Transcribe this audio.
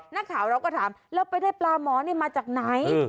นักข่าวเราก็ถามแล้วไปได้ปลาหมอนี่มาจากไหน